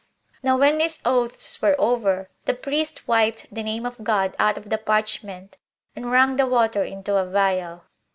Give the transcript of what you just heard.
Now when these oaths were over, the priest wiped the name of God out of the parchment, and wrung the water into a vial.